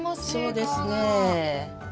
そうですね。